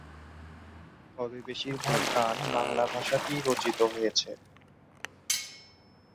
তবে বেশিরভাগ গান বাংলা ভাষাতেই রচিত হয়েছে।